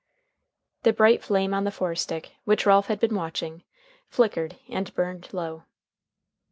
The bright flame on the forestick, which Ralph had been watching, flickered and burned low.